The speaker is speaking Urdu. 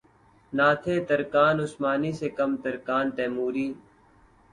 نہ تھے ترکان عثمانی سے کم ترکان تیموری